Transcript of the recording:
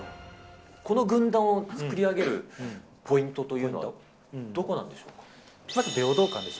この軍団を作り上げるポイントというと、どこなんでしょうか。